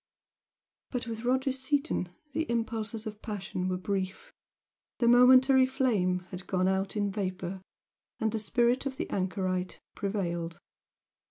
But with Roger Seaton the impulses of passion were brief the momentary flame had gone out in vapour, and the spirit of the anchorite prevailed.